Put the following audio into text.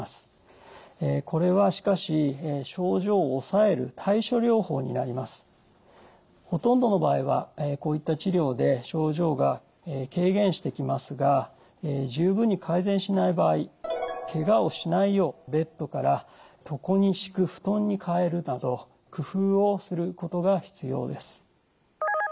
これはしかしほとんどの場合はこういった治療で症状が軽減してきますが十分に改善しない場合けがをしないようベッドから床に敷く布団に替えるなど工夫をすることが必要です。